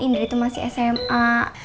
indri itu masih sma